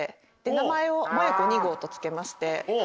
名前をもえこ２号と付けまして。